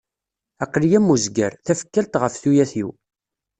Aql-i am uzger, tafekkalt ɣef tuyat-iw.